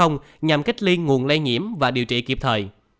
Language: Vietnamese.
nhằm kết liên nguồn lây nhiễm và điều trị kịp thời